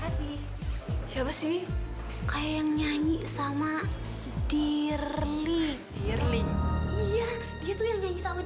lo pasti anak baru di sini kan